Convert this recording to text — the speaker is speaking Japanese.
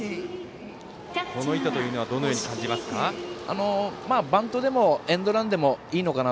この意図というのはどういうふうに感じますか？